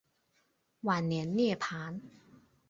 晚年涅盘。